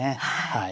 はい。